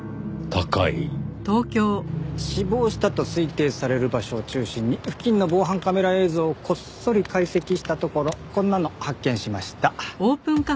死亡したと推定される場所を中心に付近の防犯カメラ映像をこっそり解析したところこんなの発見しました。